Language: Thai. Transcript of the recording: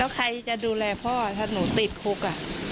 ใครจะดูแลพ่อถ้าหนูติดคุก